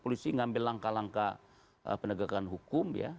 polisi mengambil langkah langkah penegakan hukum ya